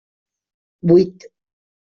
Buit.